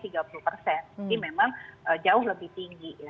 ini memang jauh lebih tinggi